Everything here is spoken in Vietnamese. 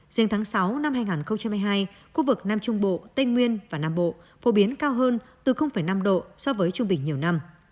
riêng tháng sáu năm hai nghìn hai mươi hai khu vực nam trung bộ tây nguyên và nam bộ phổ biến cao hơn từ năm độ so với trung bình nhiều năm